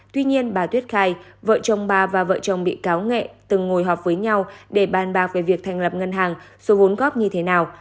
tuy nhiên bà tuyết khai vợ chồng bà và vợ chồng bị cáo nghệ từng ngồi họp với nhau để bàn bạc về việc thành lập ngân hàng số vốn góp như thế nào